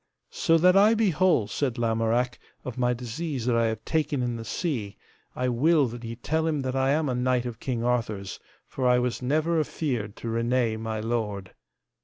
So that I be whole, said Lamorak, of my disease that I have taken in the sea, I will that ye tell him that I am a knight of King Arthur's, for I was never afeard to reneye my lord.